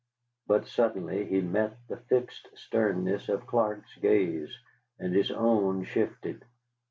But suddenly he met the fixed sternness of Clark's gaze, and his own shifted.